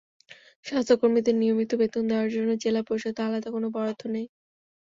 স্বাস্থ্যকর্মীদের নিয়মিত বেতন দেওয়ার জন্য জেলা পরিষদের আলাদা কোনো বরাদ্দ নেই।